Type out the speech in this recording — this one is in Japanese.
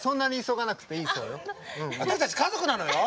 私たち家族なのよ！